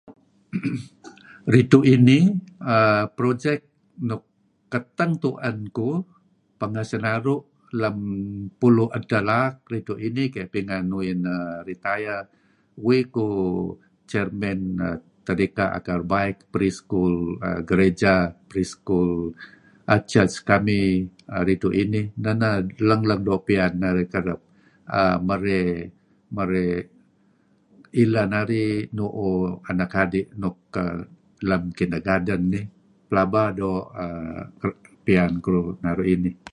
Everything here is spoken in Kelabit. Ridtu' inih projek nuk keteng tu'en kuh pengeh sinaru' lem pulu' edtah laak ridtu' inih keh pingan uih retire uih kuh Chairman Tadika Akar Baik Pre-School err gereja pre-school Church kamih ridtu' inih. Neh-neh lang-lang doo' piyan narih kereb err merey ileh narih nu'uh anak adi' nuk lem Kindergarden nih. Pelaba doo' piyan keduih naru' inih.